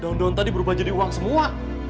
daun daun tadi berubah jadi uang semua